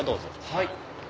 はい。